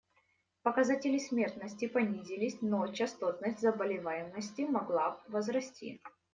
Показатели смертности понизились, но частотность заболеваемости могла возрасти.